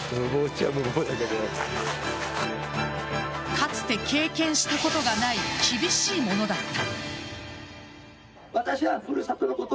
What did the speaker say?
かつて経験したことがない厳しいものだった。